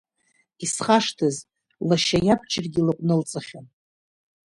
Исхашҭыз, лашьа иабџьаргьы лыҟәнылҵахьан.